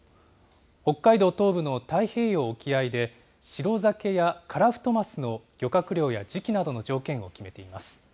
北海道東部の太平洋沖合で、シロザケやカラフトマスの漁獲量や時期などの条件を決めています。